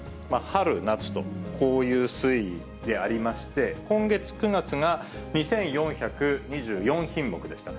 春、夏と、こういう推移でありまして、今月・９月が、２４２４品目でした。